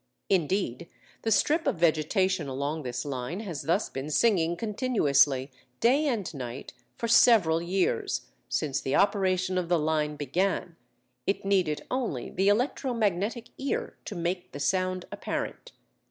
Indeed, the strip of vegetation along this line has thus been singing continuously, day and night, for several years, since the operation of the line began; it needed only the electro magnetic ear to make the sound apparent....